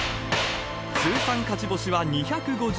通算勝ち星は２５４。